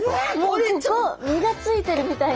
もう身がついてるみたいな。